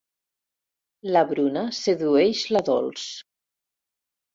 La Bruna sedueix la Dols.